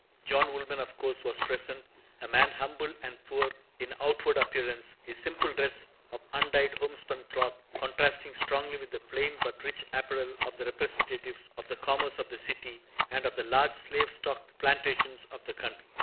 John Woolman, of course, was present, a man humble and poor in outward appearance, his simple dress of undyed homespun cloth contrasting strongly with the plain but rich apparel of the representatives of the commerce of the city and of the large slave stocked plantations of the country.